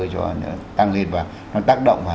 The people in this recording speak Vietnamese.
nó tăng lên và nó tác động